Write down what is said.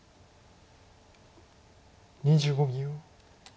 ２５秒。